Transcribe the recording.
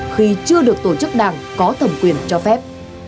khi chưa được tổ chức đảng có thẩm quyền cho phép